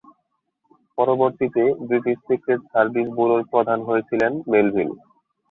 পরবর্তীতে British secret service ব্যুরোর প্রধান হয়েছিলেন মেলভিল।